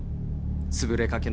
つぶれかけの印刷